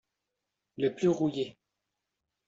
Le plus rouillé.